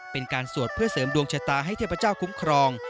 เป็นการสวดเพื่อเสริมดวงชะตาให้เทพเจ้าคุ้มครอง